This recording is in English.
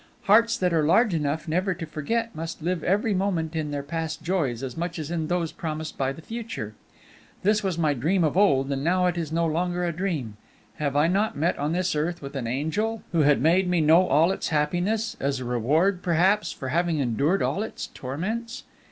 Hearts that are large enough never to forget must live every moment in their past joys as much as in those promised by the future. This was my dream of old, and now it is no longer a dream! Have I not met on this earth with an angel who had made me know all its happiness, as a reward, perhaps, for having endured all its torments?